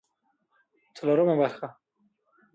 څلورمه برخه